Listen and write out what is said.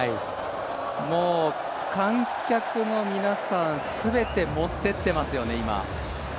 もう観客の皆さん全て持っていってますよね、今。